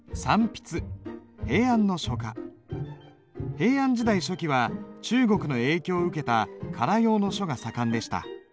平安時代初期は中国の影響を受けた唐様の書が盛んでした。